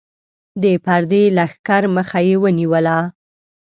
د پردي لښکر مخه یې ونیوله.